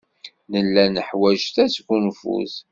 Nella neḥwaj tasgunfut.